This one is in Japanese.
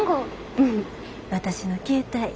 うん私の携帯。